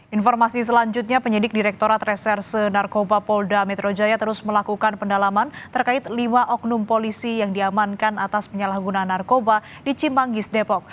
informasi selanjutnya penyidik direkturat reserse narkoba polda metro jaya terus melakukan pendalaman terkait lima oknum polisi yang diamankan atas penyalahgunaan narkoba di cimanggis depok